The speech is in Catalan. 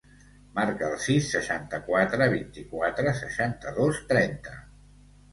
Marca el sis, seixanta-quatre, vint-i-quatre, seixanta-dos, trenta.